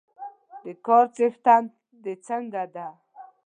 د کار څښتن د څنګه ده؟